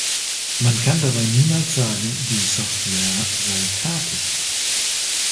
Man kann dabei niemals sagen, die Software sei „fertig“.